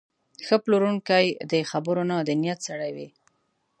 ښه پلورونکی د خبرو نه، د نیت سړی وي.